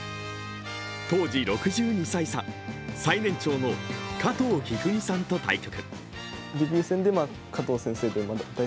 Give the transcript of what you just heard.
当時６２歳差、最年長の加藤一二三さんと対決。